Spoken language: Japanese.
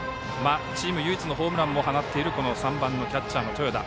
チーム唯一のホームランも放つ３番のキャッチャーの豊田。